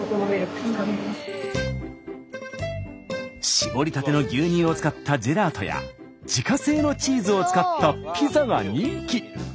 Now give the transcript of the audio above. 搾りたての牛乳を使ったジェラートや自家製のチーズを使ったピザが人気。